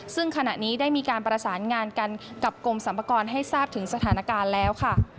ซึ่งขณะนี้ได้มีการประสานงานกันกับกรมสรรพากรให้ทราบถึงสถานการณ์แล้วค่ะ